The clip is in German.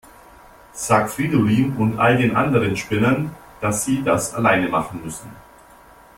Sag Fridolin und all den anderen Spinnern, dass sie das alleine machen müssen.